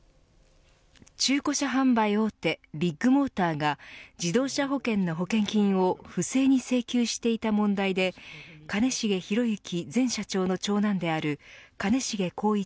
中古車販売大手ビッグモーターが自動車保険の保険金を不正に請求していた問題で兼重宏行前社長の長男である兼重宏一